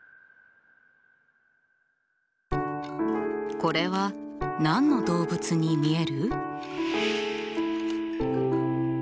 これは何の動物に見える？